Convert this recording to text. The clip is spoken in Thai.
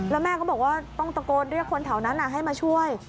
แล้วแม่ก็บอกว่าต้องตะโกนเรียกคนแถวนั้นให้มาช่วย